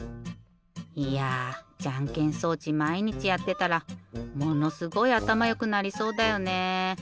いやじゃんけん装置まいにちやってたらものすごいあたまよくなりそうだよね。